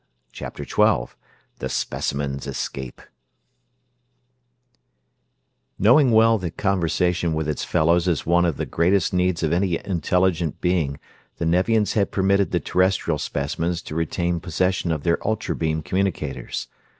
CHAPTER XII The Specimens Escape Knowing well that conversation with its fellows is one of the greatest needs of any intelligent being, the Nevians had permitted the Terrestrial specimens to retain possession of their ultra beam communicators.